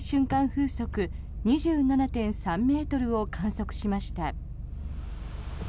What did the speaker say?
風速２７．３ｍを観測しました。